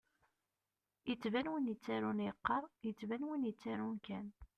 Ittban win yettarun iqqar, ittban win ittarun kan.